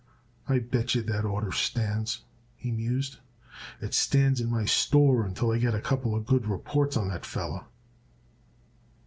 "I bet yer that order stands," he mused. "It stands in my store until I get a couple of good reports on that feller."